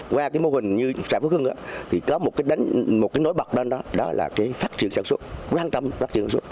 qua mô hình như xã phước hưng có một nối bọc đó là phát triển sản xuất quan tâm phát triển sản xuất